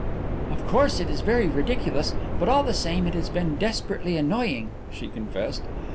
"Of course it is very ridiculous, but all the same it has been desperately annoying," she confessed.